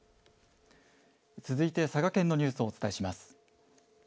続いて佐賀県のニュースをお伝えします。